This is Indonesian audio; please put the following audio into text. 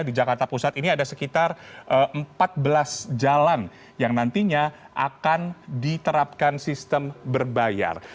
di jakarta pusat ini ada sekitar empat belas jalan yang nantinya akan diterapkan sistem berbayar